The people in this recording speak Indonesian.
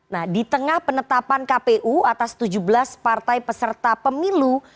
nah di tengah penetapan kpu atas tujuh belas partai peserta pemilu dua ribu dua puluh empat